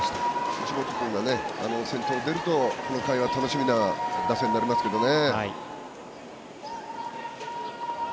藤本君が先頭に出るとこの回は楽しみな打線になりますけどね。